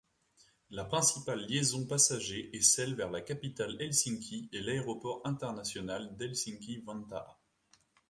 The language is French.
La principale liaison passager est celle vers la capitale Helsinki et l'aéroport international d'Helsinki-Vantaa.